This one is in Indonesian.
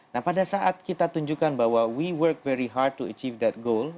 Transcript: nah pada saat kita tunjukkan bahwa we world very hard to achieve that goal